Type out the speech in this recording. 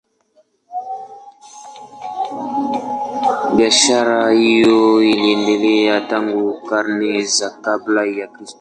Biashara hiyo iliendelea tangu karne za kabla ya Kristo.